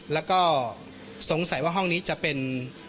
แล้วก็สงสัยว่าห้องนี้จะเป็น